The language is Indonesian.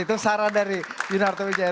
itu saran dari yunarto wijaya